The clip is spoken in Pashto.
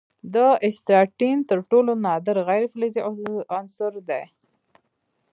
د اسټاټین تر ټولو نادر غیر فلزي عنصر دی.